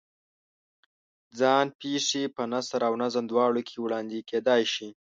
ځان پېښې په نثر او نظم دواړو کې وړاندې کېدای شي.